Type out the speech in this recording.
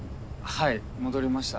はい戻りました。